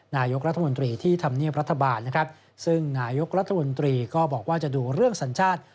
นายกรัฐมนตรีที่ทำเนียบรัฐบาลนะครับซึ่งนายกรัฐมนตรีก็บอกว่าจะดูเรื่องสัญชาติ